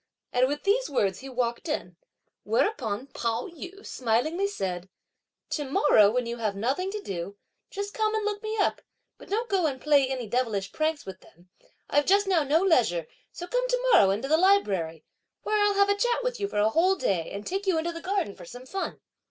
and with these words, he walked in; whereupon Pao yü smilingly said: "To morrow when you have nothing to do, just come and look me up; but don't go and play any devilish pranks with them! I've just now no leisure, so come to morrow, into the library, where I'll have a chat with you for a whole day, and take you into the garden for some fun!"